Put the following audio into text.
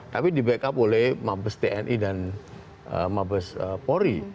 tapi di backup oleh mabes tni dan mabes polri